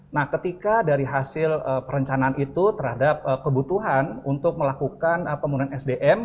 nah ketika dari hasil perencanaan itu terhadap kebutuhan untuk melakukan pemulihan sdm